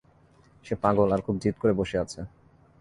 সে পাগল, আর খুব জিদ করে বসে আছে।